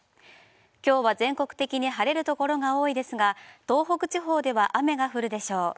きょうは全国的に晴れるところが多いですが、東北地方では雨が降るでしょう。